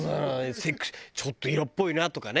セクシーちょっと色っぽいなとかね。